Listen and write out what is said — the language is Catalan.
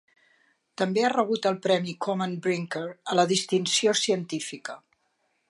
També ha rebut el premi Komen Brinker a la Distinció Científica.